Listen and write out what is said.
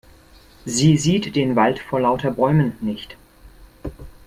Sie sieht den Wald vor lauter Bäumen nicht.